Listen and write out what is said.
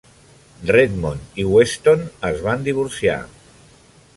Redmond i Weston es van divorciar.